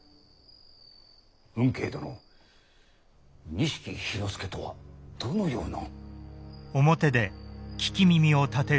吽慶殿錦氷ノ介とはどのような？